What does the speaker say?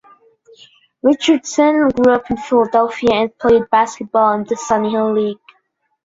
Richardson grew up in Philadelphia, and played basketball in the Sonny Hill League.